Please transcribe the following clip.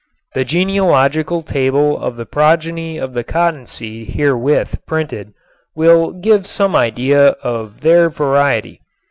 The genealogical table of the progeny of the cottonseed herewith printed will give some idea of their variety.